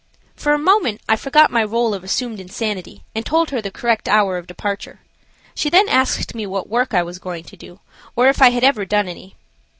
For a moment I forgot my role of assumed insanity, and told her the correct hour of departure. She then asked me what work I was going to do, or if I had ever done any.